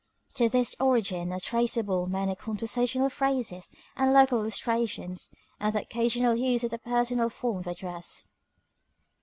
To this origin are traceable many conversational phrases and local illustrations, and the occasional use of the personal form of address.